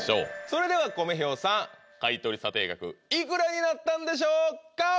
それではコメ兵さん買取査定額いくらになったんでしょうか？